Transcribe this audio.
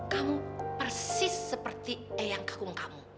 kamu persis seperti eyang kahung kamu